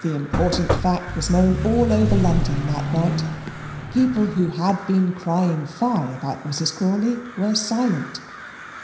The important fact was known all over London that night. People who had been crying fie about Mrs. Crawley were silent.